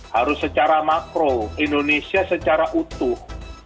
harus secara makro indonesia secara utuh